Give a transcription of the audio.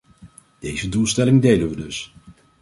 Deze doelstelling delen we dus.